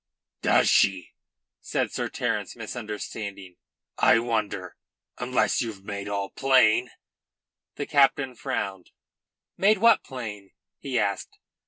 "Does she?" said Sir Terence, misunderstanding. "I wonder? Unless you've made all plain." The captain frowned. "Made what plain?" he asked.